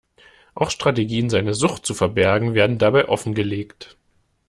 Auch Strategien, seine Sucht zu verbergen, werden dabei offengelegt.